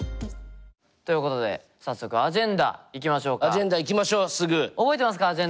ということで早速アジェンダいきましょうすぐ。